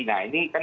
nah ini kan